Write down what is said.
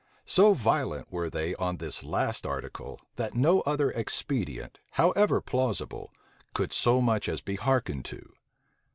So violent were they on this last article, that no other expedient, however plausible, could so much as be hearkened to.